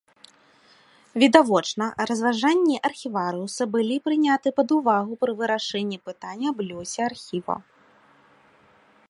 Відавочна, разважанні архіварыуса былі прыняты пад увагу пры вырашэнні пытання аб лёсе архіва.